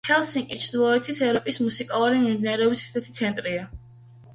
ჰელსინკი ჩრდილოეთ ევროპის მუსიკალური მიმდინარეობის ერთ-ერთი ცენტრია.